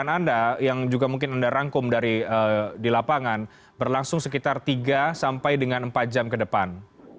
pertanyaan anda yang juga mungkin anda rangkum dari di lapangan berlangsung sekitar tiga sampai dengan empat jam ke depan